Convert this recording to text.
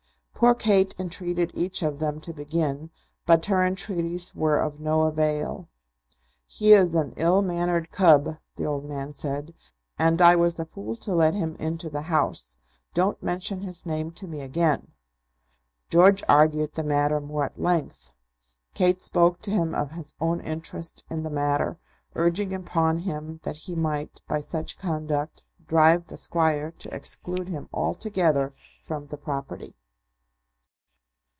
Poor Kate entreated each of them to begin, but her entreaties were of no avail. "He is an ill mannered cub," the old man said, "and I was a fool to let him into the house. Don't mention his name to me again." George argued the matter more at length. Kate spoke to him of his own interest in the matter, urging upon him that he might, by such conduct, drive the Squire to exclude him altogether from the property.